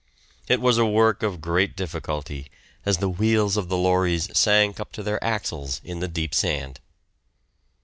It was a work of great difficulty, as the wheels of the lorries sank up to their axles in the deep sand.